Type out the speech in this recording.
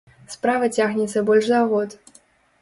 Справа цягнецца больш за год.